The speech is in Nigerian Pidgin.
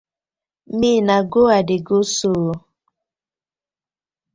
Me na go I dey go so ooo.